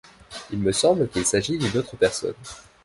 Il me semble qu'il s'agit d'une autre personne.